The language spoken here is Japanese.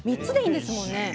３つでいいんですもんね。